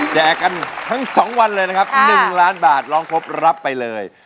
กันทั้ง๒วันเลยนะครับ๑ล้านบาทร้องครบรับไปเลย